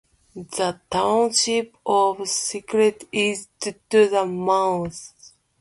The township of Scullomie is to the north.